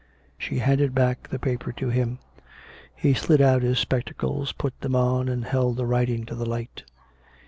She handed back the paper to him; he slid out his spec tacles, put them on, and held the writing to the light.